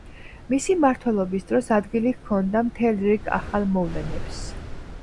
მისი მმართველობის დროს ადგილი ჰქონდა მთელ რიგ ახალ მოვლენებს.